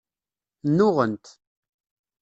Nnuɣent.